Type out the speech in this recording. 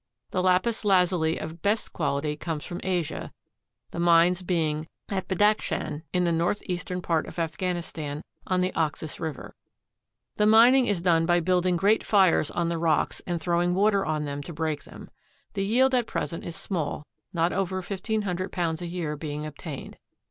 The lapis lazuli of best quality comes from Asia, the mines being at Badakschan in the northeastern part of Afghanistan on the Oxus river. The mining is done by building great fires on the rocks and throwing water on them to break them. The yield at present is small, not over 1,500 pounds a year being obtained.